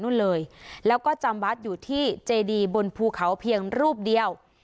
นู่นเลยแล้วก็จำวัดอยู่ที่เจดีบนภูเขาเพียงรูปเดียว